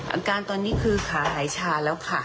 อาการตอนนี้คือขาหายชาแล้วค่ะ